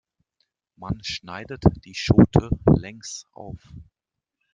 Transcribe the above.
Man schneidet die Schote längs auf.